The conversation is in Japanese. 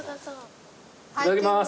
いただきます。